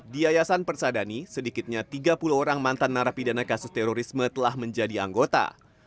di yayasan persadani sedikitnya tiga puluh orang mantan narapidana kasus terorisme telah menjadi anggota